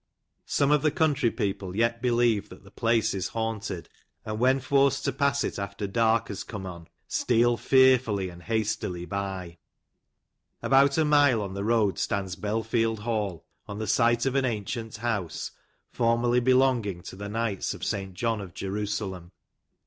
Some of the country people yet believe that the place is haunted, and, 44 THE COTTAGE OF Tlil BOBBIN, when forced to pass it after dark has come on, steal fearfully and hastily by. About a mile on the road stands Belfield Hall, on the site of an ancient house, formerly belonging to the Knights of St. John of Jerusalem.